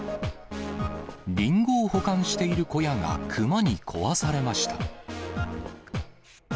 りんごを保管している小屋が熊に壊されました。